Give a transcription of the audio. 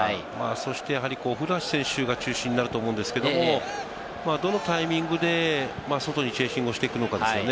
そして、古橋選手が中心になると思うんですけれども、どのタイミングで外に中心を押していくのかですね。